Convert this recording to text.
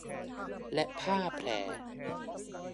และผ้าแพร